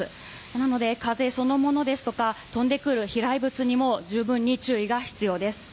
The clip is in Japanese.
なので、風そのものですとか飛んでくる飛来物にも十分に注意が必要です。